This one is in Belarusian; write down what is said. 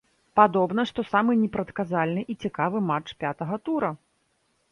Падобна, што самы непрадказальны і цікавы матч пятага тура.